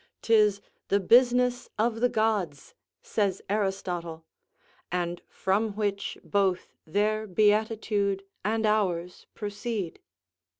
'Tis the business of the gods, says Aristotle,' and from which both their beatitude and ours proceed.